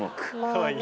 かわいい。